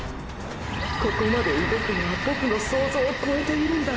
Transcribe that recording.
ここまで動くのはボクの想像をこえているんだ。